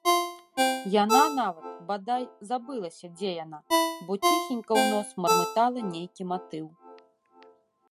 Яна нават, бадай, забылася, дзе яна, бо ціхенька ў нос мармытала нейкі матыў.